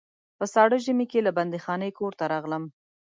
په ساړه ژمي کې له بندیخانې کور ته راغلم.